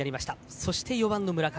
そして４番の村上。